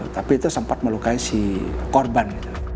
tapi itu sempat melukai si korban